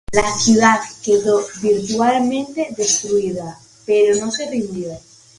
La ciudad quedó virtualmente destruida, pero no se rindió.